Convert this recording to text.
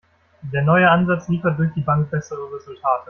Der neue Ansatz liefert durch die Bank bessere Resultate.